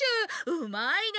うまいね！